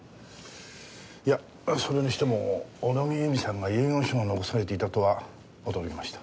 いやそれにしても小野木由美さんが遺言書を残されていたとは驚きました。